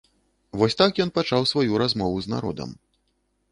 Вось так ён пачаў сваю размову з народам.